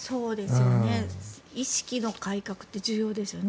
意識の改革って重要ですよね。